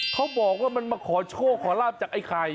เขาบอกว่ามันมาขอโชคขอลาบจากไอ้ไข่